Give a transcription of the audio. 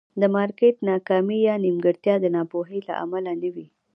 د مارکېټ ناکامي یا نیمګړتیا د ناپوهۍ له امله نه وي.